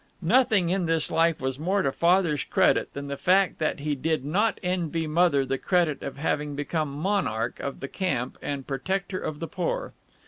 Nothing in his life was more to Father's credit than the fact that he did not envy Mother the credit of having become monarch of the camp and protector of the poor.